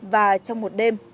và trong một đêm